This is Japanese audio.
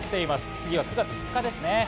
次は９月２日です。